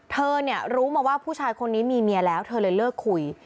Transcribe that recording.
เธอเนี่ยรู้มาว่าผู้ชายคนนี้มีเมียแล้วเธอเลยเลิกคุย